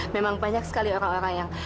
memang banyak sekali orang orang yang